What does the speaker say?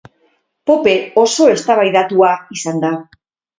Pope oso eztabaidatua izan da.